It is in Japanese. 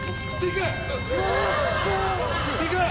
でかい！